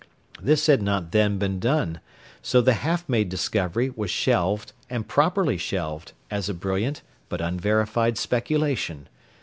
This had not then been done; so the half made discovery was shelved, and properly shelved, as a brilliant but unverified speculation.